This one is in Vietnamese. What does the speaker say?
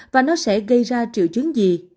và nó sẽ gây ra triệu chứng gì